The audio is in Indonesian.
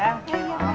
jadi besok habis